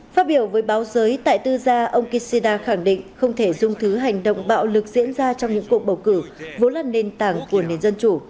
phát biểu với báo giới tại tư gia ông kishida khẳng định không thể dung thứ hành động bạo lực diễn ra trong những cuộc bầu cử vốn là nền tảng của nền dân chủ